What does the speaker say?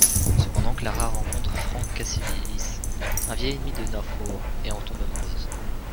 Cependant Clara rencontre Frank Cassilis, un vieil ennemi de Northmour, et en tombe amoureuse.